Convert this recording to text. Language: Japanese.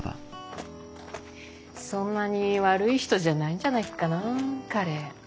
そんなに悪い人じゃないんじゃないかなあ彼。